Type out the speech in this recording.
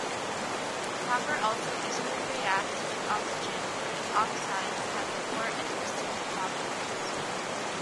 Copper also easily reacts with oxygen but its oxides have poor adhesion properties.